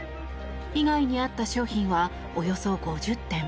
被害にあった商品はおよそ５０点。